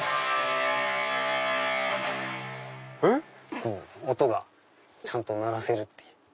えっ⁉音がちゃんと鳴らせるっていう。